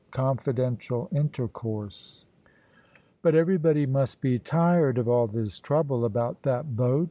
CONFIDENTIAL INTERCOURSE. But everybody must be tired of all this trouble about that boat.